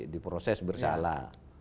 di proses bersalah